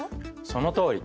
そのとおり。